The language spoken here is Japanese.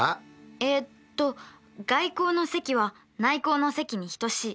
えっと外項の積は内項の積に等しい。